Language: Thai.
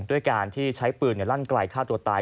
ด้วยการที่ใช้ปืนลั่นไกลฆ่าตัวตาย